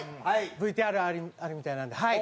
ＶＴＲあるみたいなんではい。